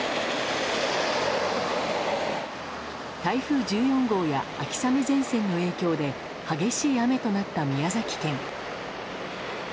台風１４号や秋雨前線の影響で激しい雨となった宮崎県。